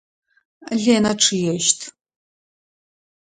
Ленэ чъыещт.